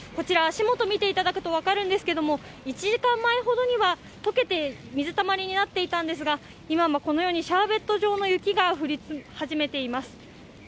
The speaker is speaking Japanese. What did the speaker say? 足元を見ていただくと分かるんですけれども、１時間前ほどには解けて水たまりになっていたんですが、今はこのようにシャーベット状の雪が降り始めています。